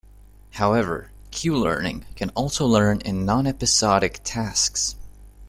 However, "Q"-learning can also learn in non-episodic tasks.